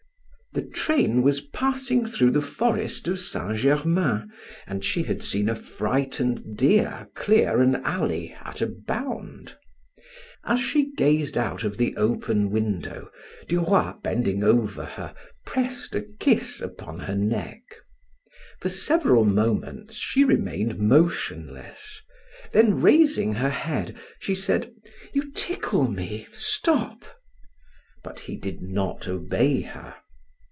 The train was passing through the forest of Saint Germain and she had seen a frightened deer clear an alley at a bound. As she gazed out of the open window, Duroy bending over her, pressed a kiss upon her neck. For several moments she remained motionless, then raising her head, she said: "You tickle me, stop!" But he did not obey her.